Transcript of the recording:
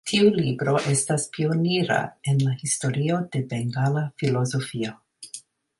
Tiu libro estas pionira en la historio de bengala filozofio.